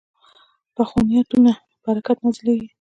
پخو نیتونو برکت نازلېږي